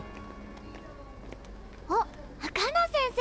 あっカナ先生！